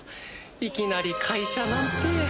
いきなり会社なんて。